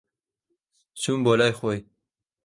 چووم بۆ لای خۆی.